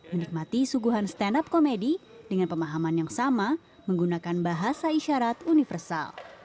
menikmati suguhan stand up komedi dengan pemahaman yang sama menggunakan bahasa isyarat universal